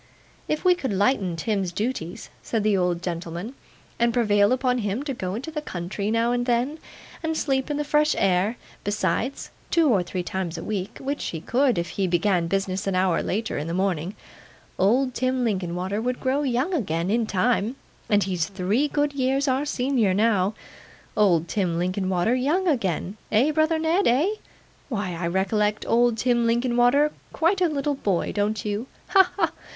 'If we could lighten Tim's duties,' said the old gentleman, 'and prevail upon him to go into the country, now and then, and sleep in the fresh air, besides, two or three times a week (which he could, if he began business an hour later in the morning), old Tim Linkinwater would grow young again in time; and he's three good years our senior now. Old Tim Linkinwater young again! Eh, brother Ned, eh? Why, I recollect old Tim Linkinwater quite a little boy, don't you? Ha, ha, ha!